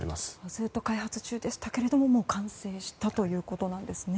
ずっと開発中でしたけれどもう完成したということなんですね